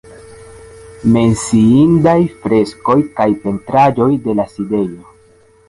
Menciindaj freskoj kaj pentraĵoj de la sidejo.